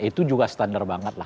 itu juga standar banget lah